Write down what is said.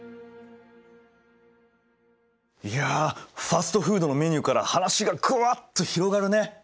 いやファストフードのメニューから話がグワッと広がるね。